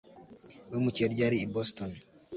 wimukiye ryari i boston